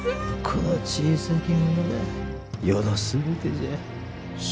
この小さき者が余の全てじゃ。